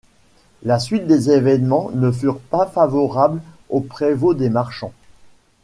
La suite des événements ne furent pas favorables au prévôt des marchands.